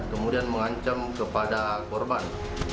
kemudian mengancam kepada korban